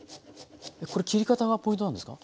これ切り方がポイントなんですか？